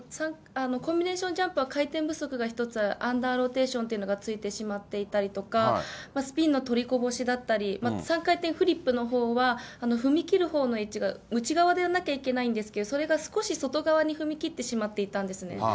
コンビネーションジャンプは回転不足が１つ、アンダーローテーションというのがついてしまっていたりとか、スピンの取りこぼしだったり、３回転フリップのほうは、踏み切るほうの位置が内側でやらなきゃいけないんですけれども、それが少し外側に踏み切ってしまっていたんですね。